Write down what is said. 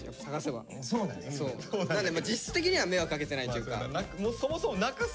なんでまあ実質的には迷惑かけてないっていうか。